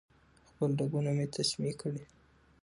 خپل رګونه مې تسمې کړې